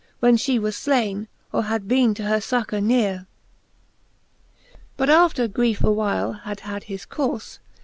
When fhe was flaine, or had bene to her fuccour nere. XXXIV. But after griefe awhile had had his courfe.